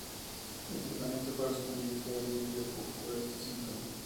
El tratamiento correspondiente alivia o cura este síntoma.